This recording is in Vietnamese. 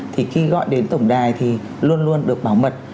thì khi gọi đến tổng đài thì luôn luôn được bảo mật